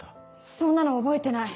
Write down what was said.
そんなの覚えてない！